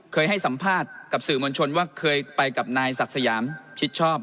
เคยให้สัมภาษณ์กับสื่อมวลชนว่าเคยไปกับนายศักดิ์สยามชิดชอบ